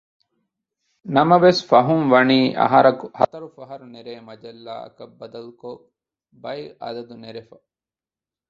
ނަމަވެސް ފަހުންވަނީ އަހަރަކު ހަތަރު ފަހަރު ނެރޭ މަޖައްލާއަކަށް ބަދަލުކޮށް ބައެއް އަދަދު ނެރެފަ